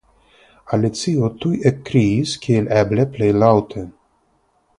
Alicio tuj ekkriis kiel eble plej laŭte.